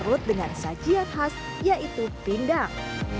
saya akan mencari perut dengan sajian khas yaitu pindang